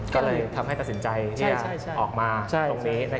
ก็เลยทำให้ตัดสินใจที่จะออกมาตรงนี้